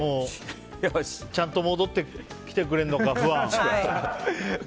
ちゃんと戻ってきてくれるのか不安。